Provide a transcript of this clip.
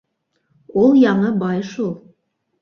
Ул яңы бай шул.